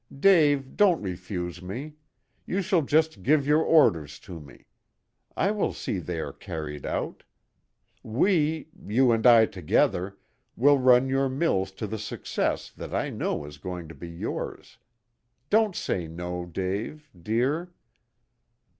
"Dave, don't refuse me. You shall just give your orders to me. I will see they are carried out. We you and I together will run your mills to the success that I know is going to be yours. Don't say no, Dave dear."